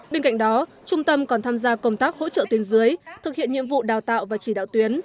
bên cạnh đó trung tâm còn tham gia công tác hỗ trợ tuyên dưới thực hiện nhiệm vụ đào tạo và chỉ đạo tuyến